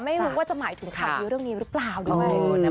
ไม่รู้ว่าจะหมายถึงข่าวดีเรื่องนี้หรือเปล่าด้วย